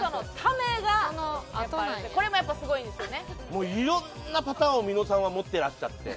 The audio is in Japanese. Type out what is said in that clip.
もういろんなパターンをみのさんは持ってらっしゃって。